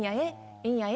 「いいんやえ」？